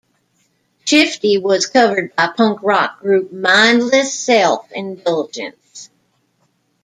Shiftee was covered by punk-rock group Mindless Self Indulgence.